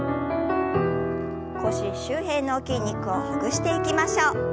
腰周辺の筋肉をほぐしていきましょう。